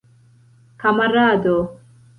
kamarado